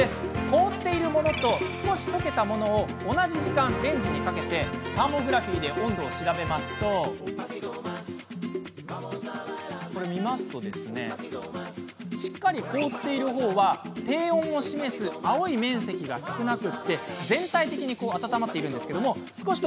凍っているものと少しとけたものを同じ時間レンジにかけてサーモグラフィーで温度を調べるとしっかり凍っている方は低温を示す青い面積が少なく全体的に温まっていますが少し